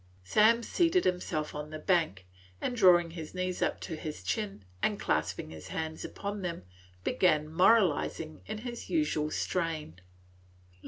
Sam seated himself on the bank, and, drawing his knees up to his chin and clasping his hands upon them, began moralizing in his usual strain.